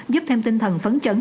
giúp thêm tinh thần phấn chấn